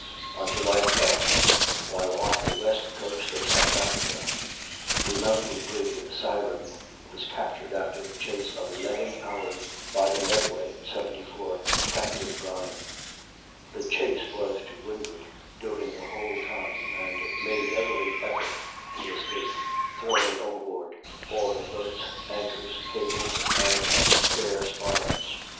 On July 12th, while off the west coast of South Africa, the American brig Syren was captured after a chase of 11 hours by the Medway, 74, Capt. Brine. The chase was to windward during the whole time, and made every effort to escape, throwing overboard all her boats, anchors, cables, and spare spars.